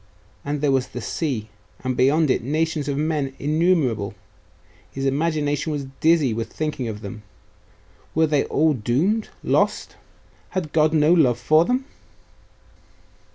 And there was the sea.... and beyond it, nations of men innumerable .... His imagination was dizzy with thinking of them. Were they all doomed lost?.... Had God no love for them?